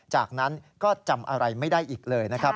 จากนั้นก็จำอะไรไม่ได้อีกเลยนะครับ